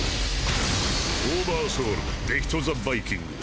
オーバーソウルデヒト・ザヴァイキング。